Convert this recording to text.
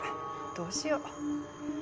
どうしよう？